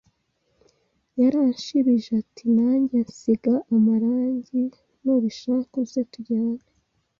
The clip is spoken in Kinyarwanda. Yaranshibije ati "Nanjye nsiga amarangi, nubishaka uze tujyane